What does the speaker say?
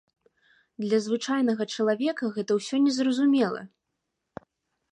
Для звычайнага чалавека гэта ўсё не зразумела.